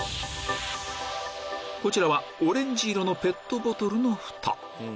こちらはオレンジ色のペットボトルのフタ